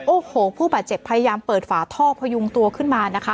โอ้โหผู้บาดเจ็บพยายามเปิดฝาท่อพยุงตัวขึ้นมานะคะ